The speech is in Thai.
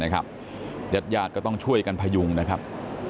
แล้วยาดก็ต้องช่วยกันพยุงนะครับ